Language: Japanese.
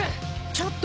ちょっと！